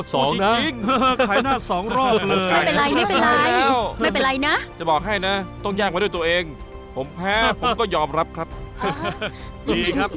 ผมอยากขึ้นไปต้องชนะแน่นอนเดี๋ยวผมก็รอดงาม